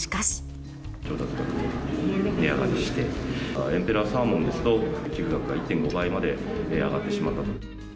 調達額が値上がりして、サーモンですと、寄付額が１．５倍まで上がってしまったと。